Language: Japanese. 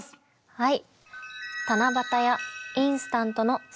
はい。